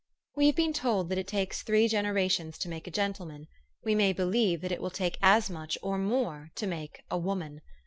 We have been told that it takes three generations to make a gentleman : we may believe that it will take as much, or more, to make A WOMAN.